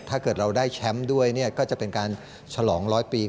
ถ้าเกิดเราได้แชมป์ด้วยเนี่ยก็จะเป็นการฉลองร้อยปี